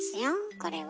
これは？